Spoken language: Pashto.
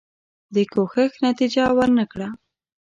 دې کوښښ نتیجه ورنه کړه.